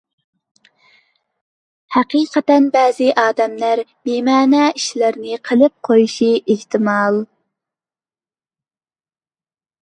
ھەقىقەتەن بەزى ئادەملەر بىمەنە ئىشلارنى قىلىپ قويۇشى ئېھتىمال.